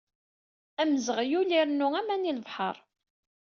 Amzeɣyul irennu aman i lebḥeṛ.